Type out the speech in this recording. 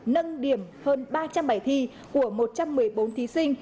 nâng điểm hơn ba trăm linh bài thi của một trăm một mươi bốn thí sinh